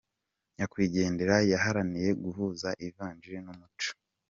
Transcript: Nyakwigendera yaharaniye guhuza ivanjiri n’ umuco.